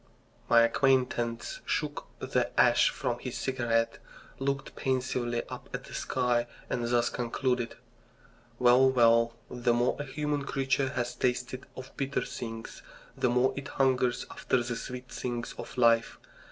My acquaintance shook the ash from his cigarette, looked pensively up at the sky, and thus concluded: Well, well, the more a human creature has tasted of bitter things the more it hungers after the sweet things of life.